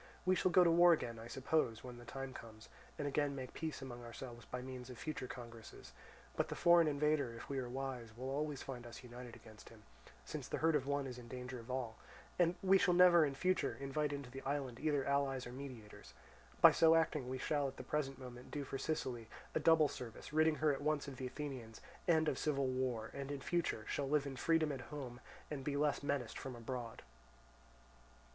We shall go to war again, I suppose, when the time comes, and again make peace among ourselves by means of future congresses; but the foreign invader, if we are wise, will always find us united against him, since the hurt of one is the danger of all; and we shall never, in future, invite into the island either allies or mediators. By so acting we shall at the present moment do for Sicily a double service, ridding her at once of the Athenians, and of civil war, and in future shall live in freedom at home, and be less menaced from abroad."